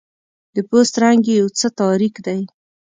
د پوست رنګ یې یو څه تاریک دی.